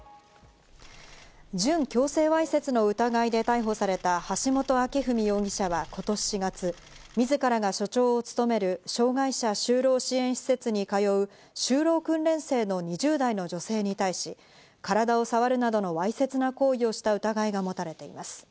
準強制わいせつの疑いで逮捕された橋本彰史容疑者は今年４月、自らが所長を務める障害者就労支援施設に通う、就労訓練生の２０代の女性に対し、体を触るなどのわいせつな行為をした疑いが持たれています。